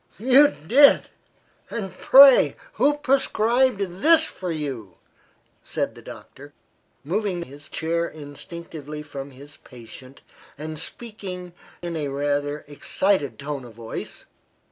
"You did! and, pray, who prescribed this for you?" said the doctor, moving his chair instinctively from his patient and speaking in a rather excited tone of voice.